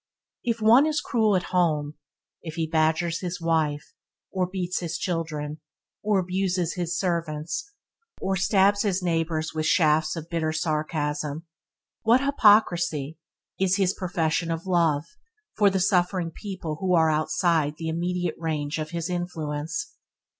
If one is cruel at home – if he badgers his wife, or beats his children, or abuses his servants, or stabs his neighbors with shafts of bitter sarcasm what hypocrisy is in his profession of love for suffering people who are outside the immediate range of his influence!